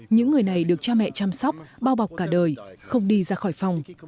những người này được cha mẹ chăm sóc bao bọc cả đời không đi ra khỏi phòng